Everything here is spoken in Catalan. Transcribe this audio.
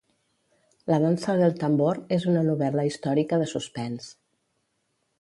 La Danza del Tambor és una novel·la històrica de suspens.